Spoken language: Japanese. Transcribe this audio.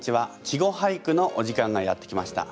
「稚語俳句」のお時間がやってきました。